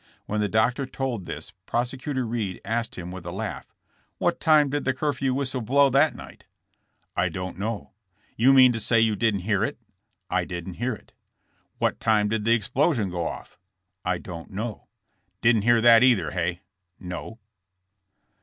When the doctor told this Prosecutor Reed asked him with a laugh: *'What time did the curfew whistle blow that night?" *a don't know." You mean to say you didn't hear it." ^'I didn't hear it." What time did the explosion go off ?" *'I don't know." Didn't hear that either, hey?" *'No."